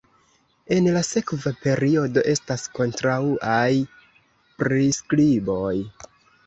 En la sekva periodo estas kontraŭaj priskriboj.